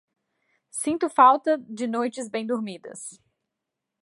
Sinto falta de noites bem-dormidas.